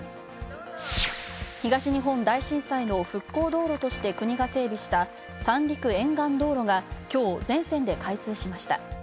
東日本大震災の復興道路として国が整備した「三陸沿岸道路」がきょう全線で開通しました。